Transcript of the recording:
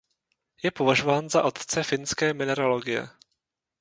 Je považován za otce finské mineralogie.